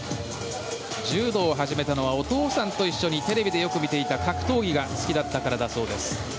柔道を始めたのはお父さんと一緒にテレビでよく見ていた格闘技が好きだったからだそうです。